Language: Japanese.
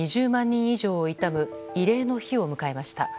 人以上を悼む慰霊の日を迎えました。